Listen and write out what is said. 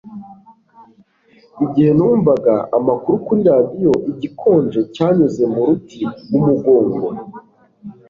Igihe numvaga amakuru kuri radiyo, igikonje cyanyuze mu ruti rw'umugongo